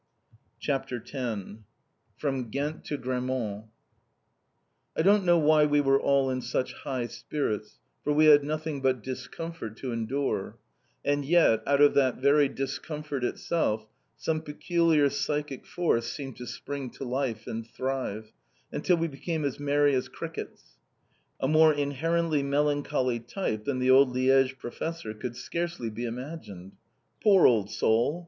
CHAPTER X FROM GHENT TO GRAMMONT I don't know why we were all in such high spirits, for we had nothing but discomfort to endure. And yet, out of that very discomfort itself, some peculiar psychic force seemed to spring to life and thrive, until we became as merry as crickets. A more inherently melancholy type than the old Liège professor could scarcely be imagined. Poor old soul!